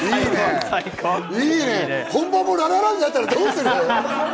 いいね、本番もラララだったらどうする？